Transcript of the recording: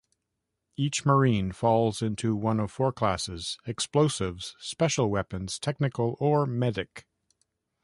Each marine falls into one of four classes: explosives, special weapons, technical, or medic.